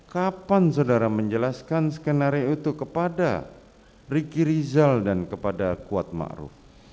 kapan saudara menjelaskan skenario itu kepada ricky rizal dan kepada kuat ma'ruf